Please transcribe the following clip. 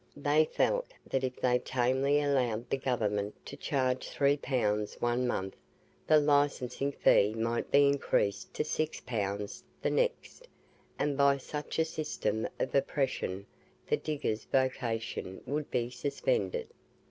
They felt that if they tamely allowed the Government to charge 3 pounds one month, the licensing fee might be increased to 6 pounds the next; and by such a system of oppression, the diggers' vocation would be suspended.